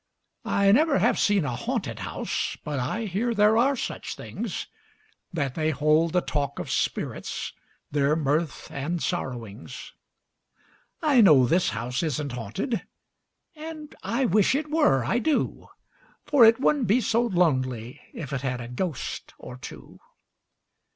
I never have seen a haunted house, but I hear there are such things; That they hold the talk of spirits, their mirth and sorrowings. I know this house isn't haunted, and I wish it were, I do; For it wouldn't be so lonely if it had a ghost or two.